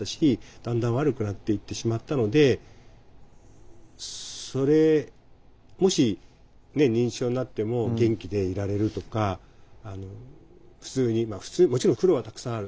だんだん悪くなっていってしまったのでそれもし認知症になっても元気でいられるとか普通にもちろん苦労はたくさんある。